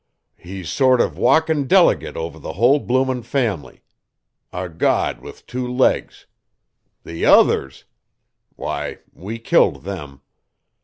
"He's sort of walkin' delegate over the whole bloomin' family. A god with two legs. The OTHERS? Why, we killed them.